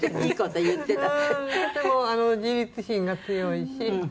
とても自立心が強いし。